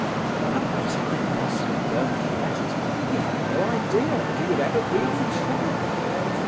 At the time Oscar burnt the letters he had no idea that he would ever be on trial.